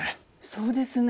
そうですね。